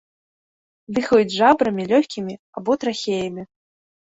Дыхаюць жабрамі, лёгкімі або трахеямі.